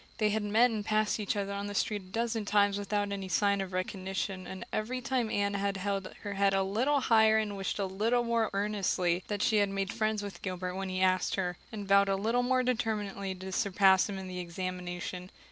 They had met and passed each other on the street a dozen times without any sign of recognition and every time Anne had held her head a little higher and wished a little more earnestly that she had made friends with Gilbert when he asked her, and vowed a little more determinedly to surpass him in the examination.